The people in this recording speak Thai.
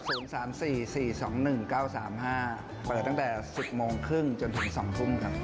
เปิดตั้งแต่๑๐โมงครึ่งจนถึง๒ทุ่มครับ